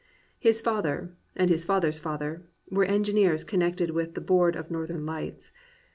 His father, and his father's father, were engineers connected with the Board of Northern Lights.